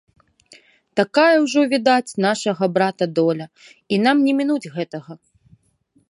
Такая ўжо, відаць, нашага брата доля, і нам не мінуць гэтага.